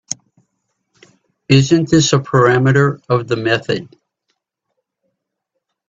Isn’t this a parameter of the method?